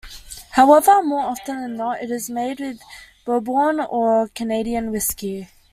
However, more often than not, it is made with bourbon or Canadian whisky.